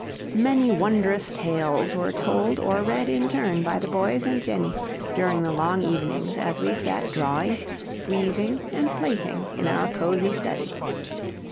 Many wondrous tales were told or read in turn by the boys and Jenny during the long evenings as we sat drawing, weaving, and plaiting in our cozy study.